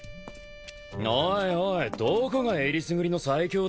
おいおいどこがえりすぐりの最強だよ。